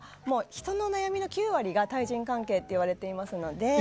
人の悩みの９割が対人関係といわれていますので。